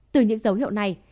từ những dấu hiệu này